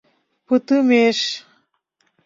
Пытымеш.